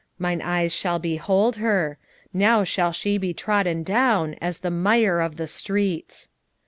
mine eyes shall behold her: now shall she be trodden down as the mire of the streets.